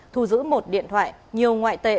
thu giữ một điện thoại nhiều ngoại tệ